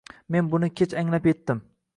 Men buni kech anglab yetdim.